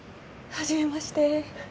はじめまして。